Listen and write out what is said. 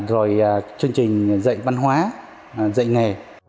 rồi chương trình dạy văn hóa dạy nghề